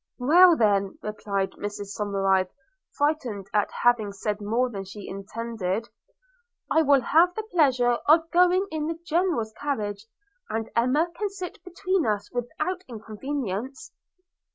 – 'Well, then,' replied Mrs Somerive frightened at having said more than she intended, 'I will have the pleasure of going in the General's carriage, and Emma can sit between us without inconvenience.'